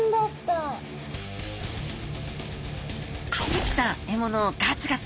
生きた獲物をガツガツ